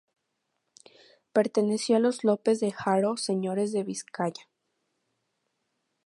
Perteneció a los López de Haro, señores de Vizcaya.